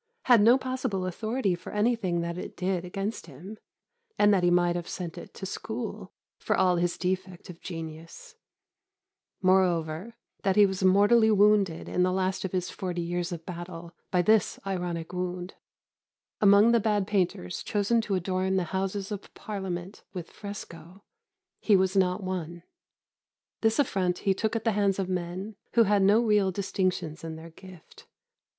had no possible authority for anything that it did against him, and that he might have sent it to school, for all his defect of genius; moreover, that he was mortally wounded in the last of his forty years of battle by this ironic wound: among the bad painters chosen to adorn the Houses of Parliament with fresco, he was not one. This affront he took at the hands of men who had no real distinctions in their gift.